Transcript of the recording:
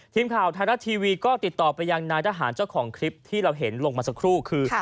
ทีมข่าวไทยรัฐทีวีก็ติดต่อไปยังนายทหารเจ้าของคลิปที่เราเห็นลงมาสักครู่คือ